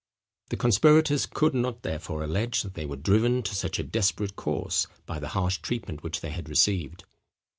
The conspirators could not, therefore, allege that they were driven to such a desperate course, by the harsh treatment which they had received.